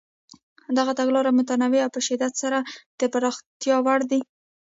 دغه تګلارې متنوع او په شدت سره د پراختیا وړ دي.